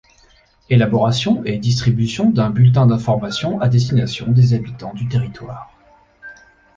Élaboration et distribution d’un bulletin d’information à destination des habitants du territoire.